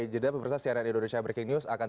jadi pemirsa cnn indonesia breaking news akan